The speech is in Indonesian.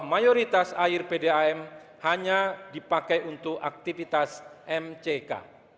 mayoritas air pda m hanya dipakai untuk aktivitas mck